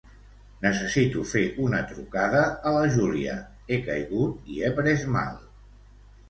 Necessito fer una trucada a la Júlia; he caigut i he pres mal.